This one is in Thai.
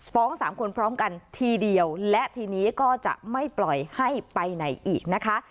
สามคนพร้อมกันทีเดียวและทีนี้ก็จะไม่ปล่อยให้ไปไหนอีกนะคะ